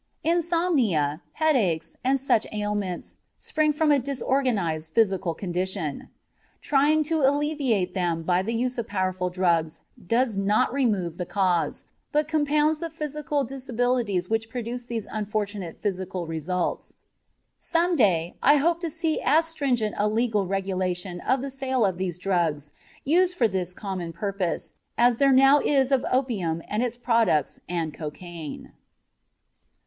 Insomnia, headaches, and such ailments spring from a disorganized physical condition. Trying to alleviate them by the use of powerful drugs does not remove the cause, but compounds the physical disabilities which produce these unfortunate physical results. Some day I hope to see as stringent a legal regulation of the sale of these drugs, used for this common purpose, as there now is of opium and its products and cocaine.